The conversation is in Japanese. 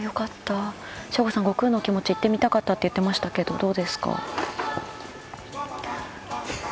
省吾さん、悟空のきもち行ってみたいって言ってましたけどどうですか？